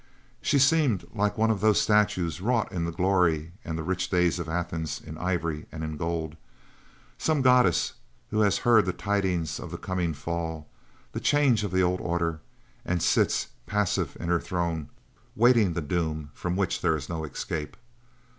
She seemed like one of those statues wrought in the glory and the rich days of Athens in ivory and in gold some goddess who has heard the tidings of the coming fall, the change of the old order, and sits passive in her throne waiting the doom from which there is no escape.